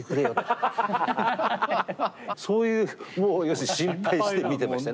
そういう要するに心配して見てましたね。